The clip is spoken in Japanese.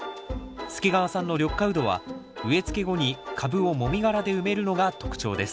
助川さんの緑化ウドは植えつけ後に株をもみ殻で埋めるのが特徴です